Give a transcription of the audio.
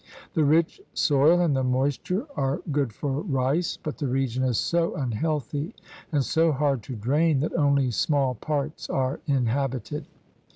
The rich soil and the moisture are good for rice, but the region is so unhealthy and so hard to drain that only small parts are inhabited.